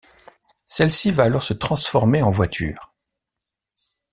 Celle-ci va alors se transformer en voiture.